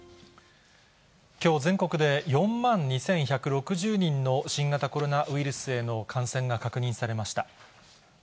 きょう、全国で４万２１６０人の新型コロナウイルスへの感染が確認されました。